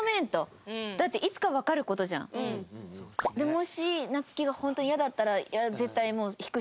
もし夏希がホントに嫌だったら絶対引くしそれは。